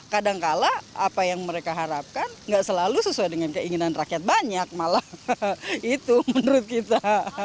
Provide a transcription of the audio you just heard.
kadangkala apa yang mereka harapkan nggak selalu sesuai dengan keinginan rakyat banyak malah itu menurut kita